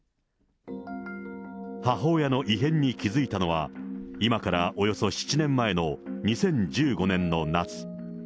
母親の異変に気付いたのは、今からおよそ７年前の２０１５年の夏。